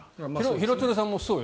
廣津留さんもそうだよ。